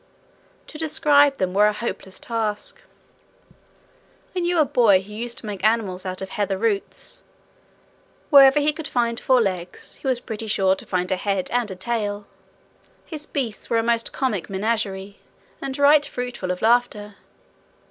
To describe them were a hopeless task. I knew a boy who used to make animals out of heather roots. Wherever he could find four legs, he was pretty sure to find a head and a tail. His beasts were a most comic menagerie, and right fruitful of laughter.